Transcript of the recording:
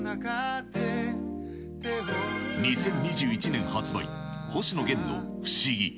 ２０２１年発売、星野源の不思議。